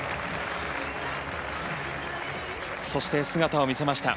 そして姿を見せました。